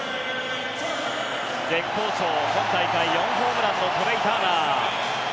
絶好調、今大会４ホームランのトレー・ターナー。